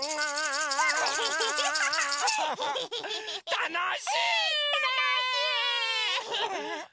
たのしいね！